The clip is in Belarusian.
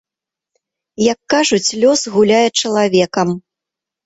Як, кажуць, лёс гуляе чалавекам.